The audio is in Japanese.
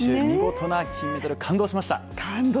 見事な金メダル、感動しました。